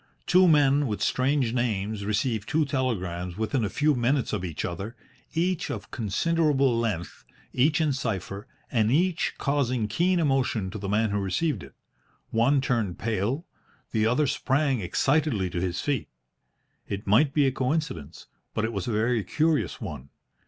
Two men with strange names receive two telegrams within a few minutes of each other, each of considerable length, each in cipher, and each causing keen emotion to the man who received it. One turned pale. The other sprang excitedly to his feet. It might be a coincidence, but it was a very curious one.